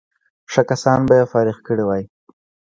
ښه کسان به یې فارغ کړي وای.